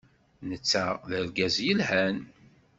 Netta d argaz yelhan.